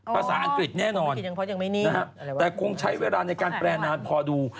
ภาษาอังกฤษแน่นอนแต่คงใช้เวลาในการแปลนานพอดู